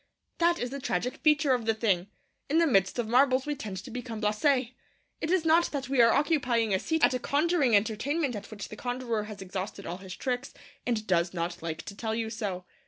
That is the tragic feature of the thing. In the midst of marvels we tend to become blasé. It is not that we are occupying a seat at a conjuring entertainment at which the conjurer has exhausted all his tricks, and does not like to tell you so.